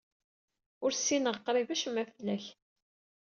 Ur ssineɣ qrib acemma fell-ak.